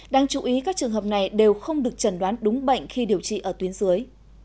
đáng chú ý các trường hợp này đều không được chẩn đoán đúng bệnh khi điều trị ở tuyến dưới